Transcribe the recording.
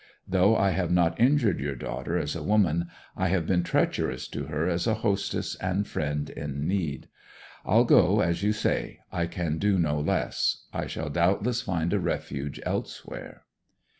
Though I have not injured your daughter as a woman, I have been treacherous to her as a hostess and friend in need. I'll go, as you say; I can do no less. I shall doubtless find a refuge elsewhere.'